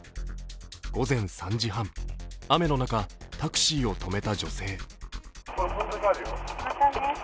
午前３時半雨の中、タクシーを止めた女性。